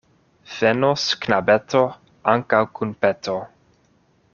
Venos knabeto ankaŭ kun peto.